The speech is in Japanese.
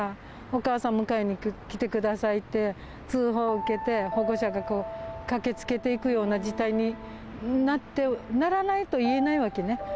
お母さん迎えに来てくださいって、通報を受けて、保護者が駆けつけていくような事態にならないといえないわけね。